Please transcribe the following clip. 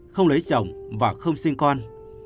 không lấy chồng và không sinh con